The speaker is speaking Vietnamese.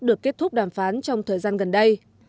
được kết thúc đàm phán trong thời gian gần đây